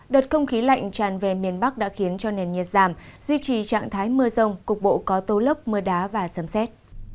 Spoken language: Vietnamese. đợt không khí lạnh tràn về miền bắc đã khiến cho nền nhiệt giảm duy trì trạng thái mưa rông cục bộ có tố lốc mưa đá và sấm xét